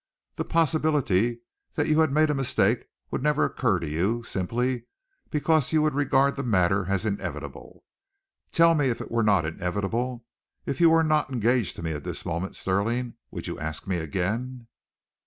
The possibility that you had made a mistake would never occur to you, simply because you would regard the matter as inevitable. Tell me, if it were not inevitable, if you were not engaged to me at this moment, Stirling, would you ask me again?"